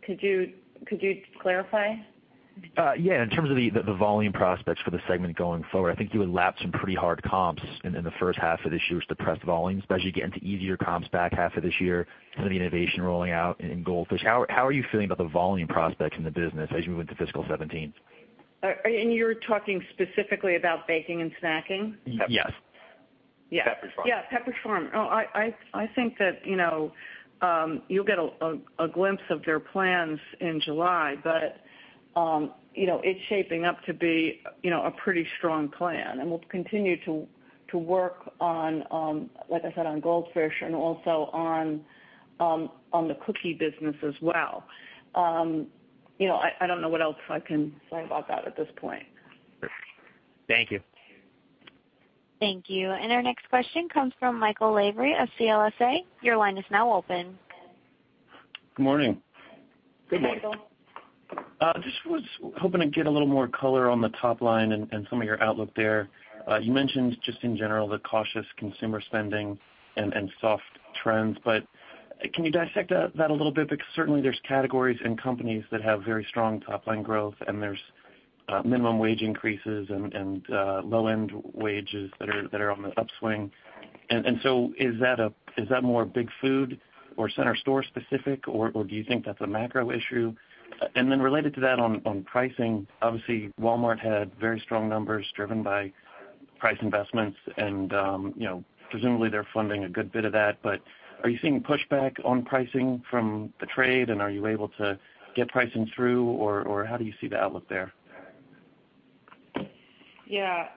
Speaker 3: Could you clarify?
Speaker 12: Yeah. In terms of the volume prospects for the segment going forward, I think you would lap some pretty hard comps in the first half of this year's depressed volumes. As you get into easier comps back half of this year, some of the innovation rolling out in Goldfish, how are you feeling about the volume prospects in the business as you move into fiscal 2017?
Speaker 3: You're talking specifically about baking and snacking?
Speaker 12: Yes.
Speaker 4: Pepperidge Farm. Yeah, Pepperidge Farm. I think that you'll get a glimpse of their plans in July, it's shaping up to be a pretty strong plan, we'll continue to work on, like I said, on Goldfish and also on the cookie business as well. I don't know what else I can say about that at this point.
Speaker 12: Thank you.
Speaker 1: Thank you. Our next question comes from Michael Lavery of CLSA. Your line is now open.
Speaker 13: Good morning.
Speaker 3: Good morning. Good morning, Michael.
Speaker 13: Was hoping to get a little more color on the top-line and some of your outlook there. You mentioned just in general, the cautious consumer spending and soft trends, but can you dissect that a little bit? Because certainly there's categories and companies that have very strong top-line growth, and there's minimum wage increases and low-end wages that are on the upswing. Is that more big food or center store specific, or do you think that's a macro issue? Related to that, on pricing, obviously Walmart had very strong numbers driven by price investments and presumably they're funding a good bit of that, but are you seeing pushback on pricing from the trade and are you able to get pricing through, or how do you see the outlook there?
Speaker 3: Yeah.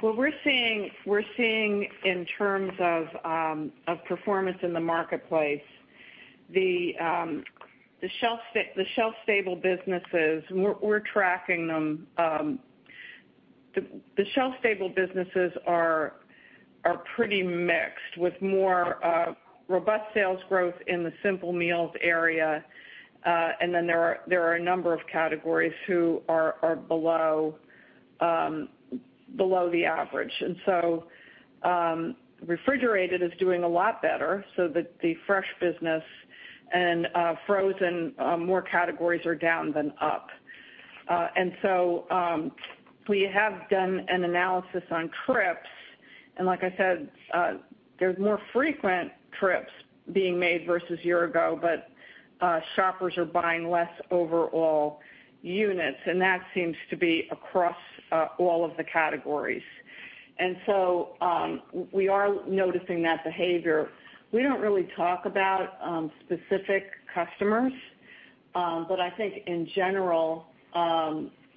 Speaker 3: What we're seeing in terms of performance in the marketplace, the shelf-stable businesses, and we're tracking them. The shelf-stable businesses are pretty mixed with more robust sales growth in the simple meals area, and then there are a number of categories who are below the average. Refrigerated is doing a lot better so that the fresh business and frozen, more categories are down than up. We have done an analysis on trips, and like I said, there's more frequent trips being made versus a year ago, but shoppers are buying less overall units, and that seems to be across all of the categories. We are noticing that behavior. We don't really talk about specific customers. I think in general,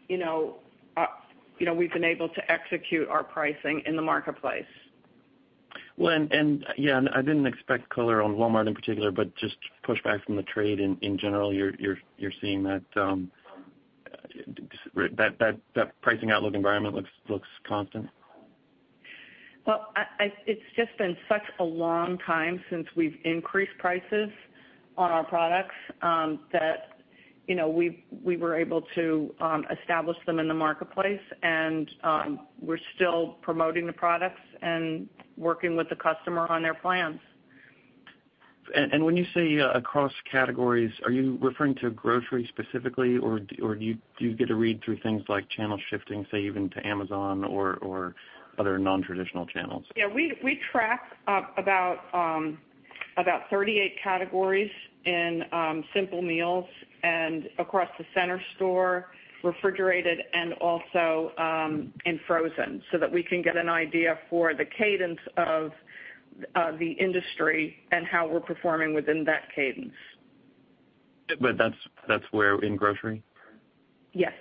Speaker 3: we've been able to execute our pricing in the marketplace.
Speaker 13: Well, yeah, I didn't expect color on Walmart in particular, but just pushback from the trade in general, you're seeing that pricing outlook environment looks constant?
Speaker 3: Well, it's just been such a long time since we've increased prices on our products, that we were able to establish them in the marketplace and we're still promoting the products and working with the customer on their plans.
Speaker 13: When you say across categories, are you referring to grocery specifically, or do you get a read through things like channel shifting, say even to Amazon or other non-traditional channels?
Speaker 3: Yeah, we track about 38 categories in simple meals and across the center store, refrigerated, and also in frozen so that we can get an idea for the cadence of the industry and how we're performing within that cadence.
Speaker 13: That's where, in grocery?
Speaker 3: Yes.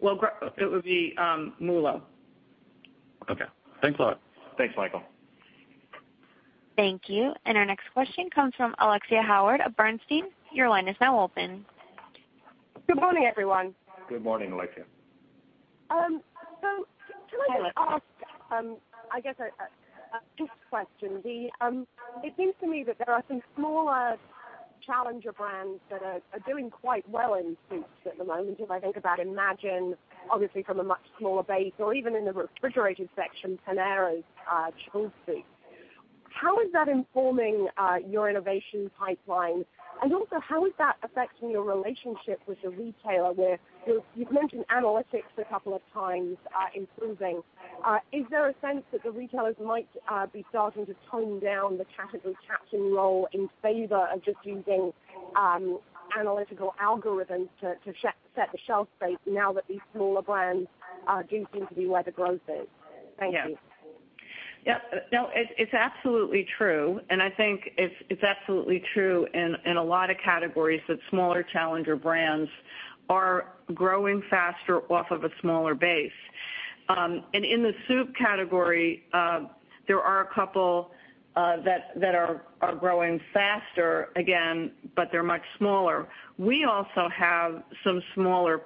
Speaker 3: Well, it would be MULO.
Speaker 13: Okay. Thanks a lot.
Speaker 4: Thanks, Michael.
Speaker 1: Thank you. Our next question comes from Alexia Howard of Bernstein. Your line is now open.
Speaker 14: Good morning, everyone.
Speaker 4: Good morning, Alexia.
Speaker 14: Can I just ask, I guess, a two question. It seems to me that there are some smaller challenger brands that are doing quite well in soups at the moment. As I think about Imagine, obviously from a much smaller base or even in the refrigerated section, Panera's chicken soup. How is that informing your innovation pipeline, and also how is that affecting your relationship with the retailer where you've mentioned analytics a couple of times improving. Is there a sense that the retailers might be starting to tone down the category captain role in favor of just using analytical algorithms to set the shelf space now that these smaller brands do seem to be where the growth is? Thank you.
Speaker 3: Yeah. No, it's absolutely true. I think it's absolutely true in a lot of categories that smaller challenger brands are growing faster off of a smaller base. In the soup category, there are a couple that are growing faster again, but they're much smaller. We also have some smaller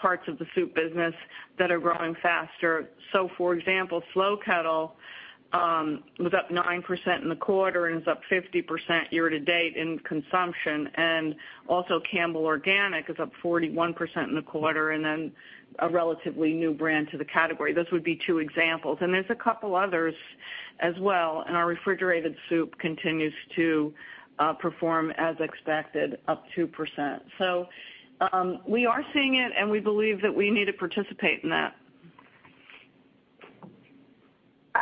Speaker 3: parts of the soup business that are growing faster. For example, Slow Kettle was up 9% in the quarter and is up 50% year-to-date in consumption. Also Campbell's Organic is up 41% in the quarter, and then a relatively new brand to the category. Those would be two examples. There's a couple others as well. Our refrigerated soup continues to perform as expected, up 2%. We are seeing it, and we believe that we need to participate in that.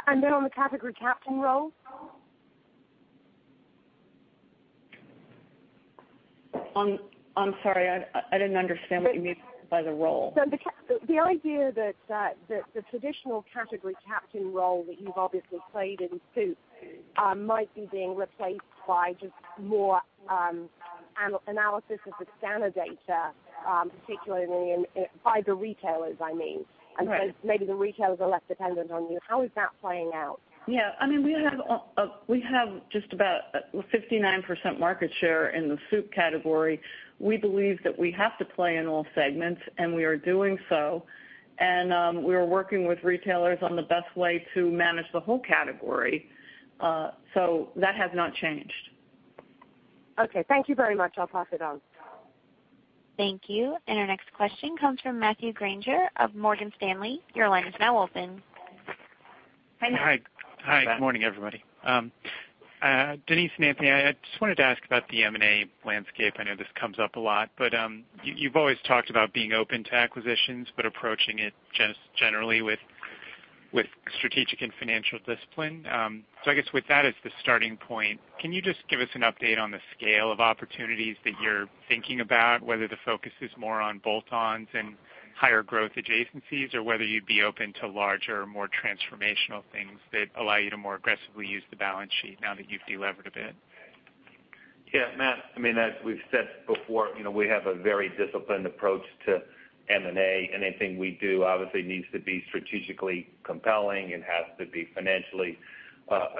Speaker 14: On the category captain role?
Speaker 3: I'm sorry, I didn't understand what you mean by the role.
Speaker 14: The idea that the traditional category captain role that you've obviously played in soup, might be being replaced by just more analysis of the scanner data, particularly by the retailers, I mean.
Speaker 3: Right.
Speaker 14: Maybe the retailers are less dependent on you. How is that playing out?
Speaker 3: Yeah. We have just about 59% market share in the soup category. We believe that we have to play in all segments, and we are doing so. We are working with retailers on the best way to manage the whole category. That has not changed.
Speaker 14: Okay. Thank you very much. I will pass it on.
Speaker 1: Thank you. Our next question comes from Matthew Grainger of Morgan Stanley. Your line is now open.
Speaker 15: Hi.
Speaker 3: Hi, Matt.
Speaker 15: Hi. Good morning, everybody. Denise and Anthony, I just wanted to ask about the M&A landscape. I know this comes up a lot, you've always talked about being open to acquisitions, approaching it just generally with strategic and financial discipline. I guess with that as the starting point, can you just give us an update on the scale of opportunities that you're thinking about, whether the focus is more on bolt-ons and higher growth adjacencies or whether you'd be open to larger, more transformational things that allow you to more aggressively use the balance sheet now that you've de-levered a bit?
Speaker 4: Yeah, Matt, as we've said before, we have a very disciplined approach to M&A. Anything we do obviously needs to be strategically compelling and has to be financially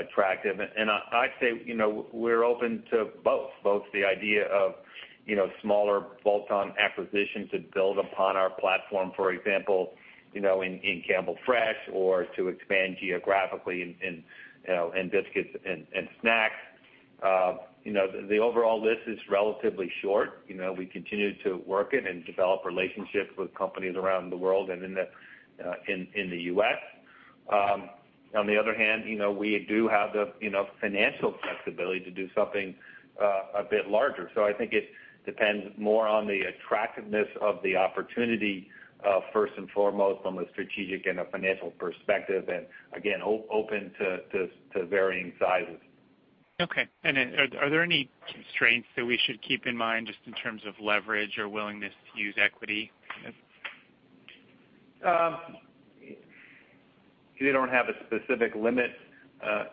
Speaker 4: attractive. I'd say we're open to both. Both the idea of smaller bolt-on acquisitions that build upon our platform, for example, in Campbell Fresh or to expand geographically in biscuits and snacks. The overall list is relatively short. We continue to work it and develop relationships with companies around the world and in the U.S. On the other hand, we do have the financial flexibility to do something a bit larger. I think it depends more on the attractiveness of the opportunity first and foremost from a strategic and a financial perspective, and again, open to varying sizes.
Speaker 15: Okay. Are there any constraints that we should keep in mind just in terms of leverage or willingness to use equity?
Speaker 4: We don't have a specific limit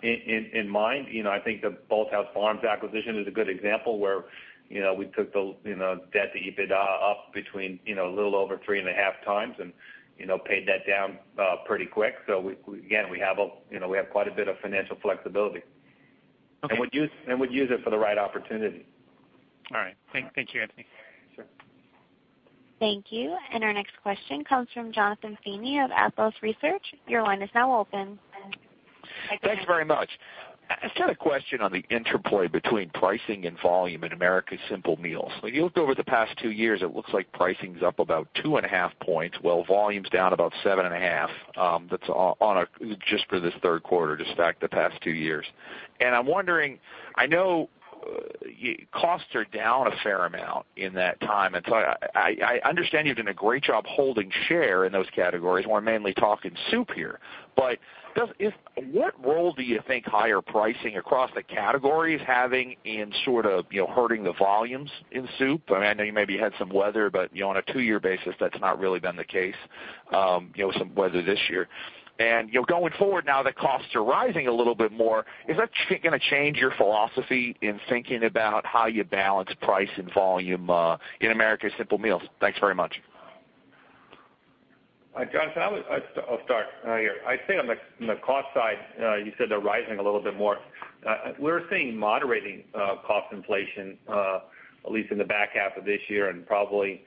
Speaker 4: in mind. I think the Bolthouse Farms acquisition is a good example where we took the debt to EBITDA up between a little over three and a half times and paid that down pretty quick. Again, we have quite a bit of financial flexibility.
Speaker 15: Okay.
Speaker 4: Would use it for the right opportunity.
Speaker 15: All right. Thank you, Anthony.
Speaker 4: Sure.
Speaker 1: Thank you. Our next question comes from Jonathan Feeney of Athlos Research. Your line is now open.
Speaker 16: Thanks very much. I just had a question on the interplay between pricing and volume in Americas Simple Meals. When you looked over the past two years, it looks like pricing's up about two and a half points, while volume's down about seven and a half. That's just for this third quarter, just back the past two years. I'm wondering, I know costs are down a fair amount in that time, I understand you're doing a great job holding share in those categories. We're mainly talking soup here. What role do you think higher pricing across the category is having in sort of hurting the volumes in soup? I know you maybe had some weather, but on a two-year basis, that's not really been the case, with some weather this year. Going forward now that costs are rising a little bit more, is that gonna change your philosophy in thinking about how you balance price and volume in Americas Simple Meals? Thanks very much.
Speaker 4: Jonathan, I'll start here. I'd say on the cost side, you said they're rising a little bit more. We're seeing moderating cost inflation, at least in the back half of this year and probably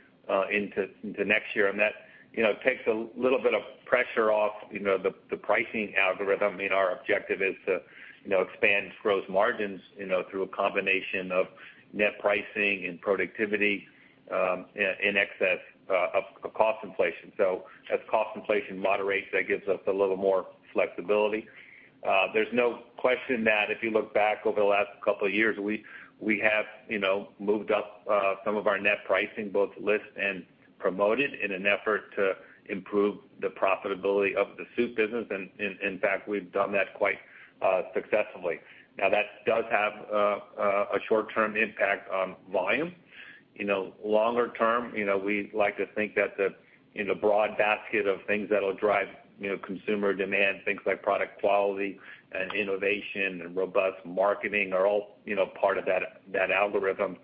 Speaker 4: into next year. That takes a little bit of pressure off the pricing algorithm. Our objective is to expand gross margins through a combination of net pricing and productivity in excess of cost inflation. As cost inflation moderates, that gives us a little more flexibility. There's no question that if you look back over the last couple of years, we have moved up some of our net pricing, both list and promoted, in an effort to improve the profitability of the soup business, and in fact, we've done that quite successfully. Now, that does have a short-term impact on volume. Longer term, we like to think that the broad basket of things that'll drive consumer demand, things like product quality and innovation and robust marketing are all part of that algorithm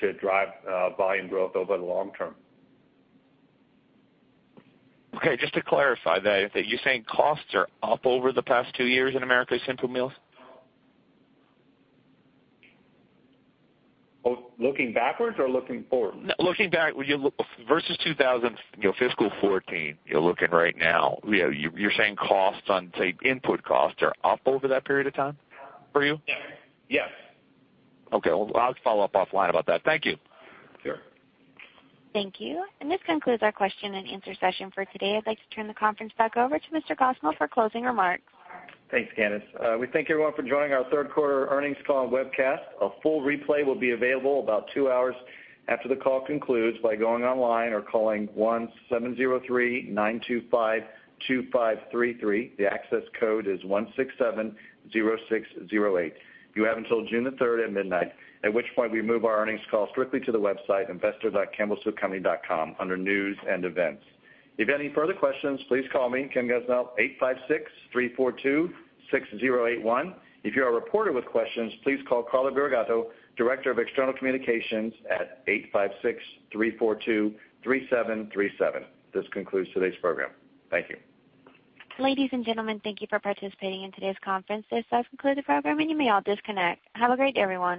Speaker 4: to drive volume growth over the long term.
Speaker 16: Okay. Just to clarify, are you saying costs are up over the past two years in Americas Simple Meals?
Speaker 4: Looking backwards or looking forward?
Speaker 16: Looking back versus fiscal 2014, you're looking right now, you're saying costs on, say, input costs are up over that period of time for you?
Speaker 4: Yes.
Speaker 16: Okay. Well, I'll follow up offline about that. Thank you.
Speaker 4: Sure.
Speaker 1: Thank you. This concludes our question and answer session for today. I'd like to turn the conference back over to Mr. Gosnell for closing remarks.
Speaker 2: Thanks, Candice. We thank everyone for joining our third quarter earnings call and webcast. A full replay will be available about two hours after the call concludes by going online or calling 1-703-925-2533. The access code is 1670608. You have until June the 3rd at midnight, at which point we move our earnings call strictly to the website, investor.campbellsoupcompany.com under News and Events. If you have any further questions, please call me, Ken Gosnell, 856-342-6081. If you're a reporter with questions, please call Carla Burigatto, Director of External Communications, at 856-342-3737. This concludes today's program. Thank you.
Speaker 1: Ladies and gentlemen, thank you for participating in today's conference. This does conclude the program, and you may all disconnect. Have a great day, everyone